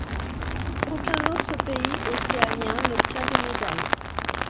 Aucun autre pays océanien n'obtient de médaille.